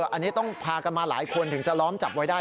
อันนี้ต้องพากันมาหลายคนถึงจะล้อมจับไว้ได้